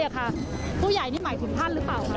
ขอแทน